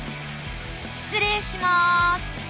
失礼します